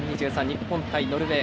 日本対ノルウェー